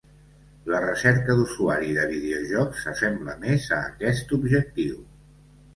La recerca d'usuari de videojocs s'assembla més a aquest objectiu.